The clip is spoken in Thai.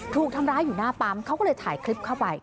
ถูกทำร้ายอยู่หน้าปั๊มเขาก็เลยถ่ายคลิปเข้าไป